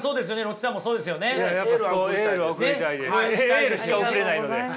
エールしか送れないので。